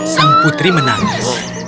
sang putri menangis